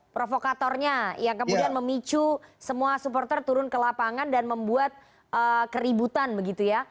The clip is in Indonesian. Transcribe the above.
provokatornya yang kemudian memicu semua supporter turun ke lapangan dan membuat keributan begitu ya